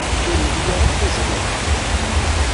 Ur ili ara akk tazrirt.